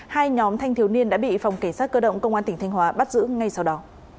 hai nhóm thanh thiếu niên đã bị phòng cảnh sát cơ động công an tỉnh thanh hóa bắt giữ ngay sau đó